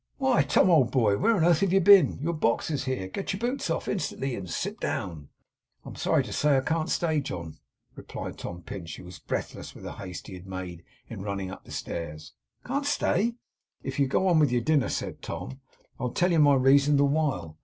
'Why, Tom, old boy, where on earth have you been? Your box is here. Get your boots off instantly, and sit down!' 'I am sorry to say I can't stay, John,' replied Tom Pinch, who was breathless with the haste he had made in running up the stairs. 'Can't stay!' 'If you'll go on with your dinner,' said Tom, 'I'll tell you my reason the while.